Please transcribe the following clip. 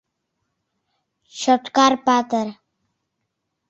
ЧОТКАР-ПАТЫР